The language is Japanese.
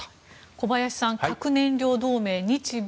小林さん、核燃料同盟日米